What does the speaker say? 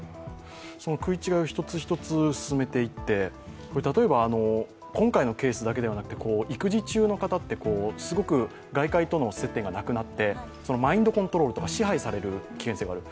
食い違いを一つ一つ進めていって、今回のケースだけではなくて育児中の方ってすごく外界との接点がなくなってマインドコントロールとか支配される可能性がある。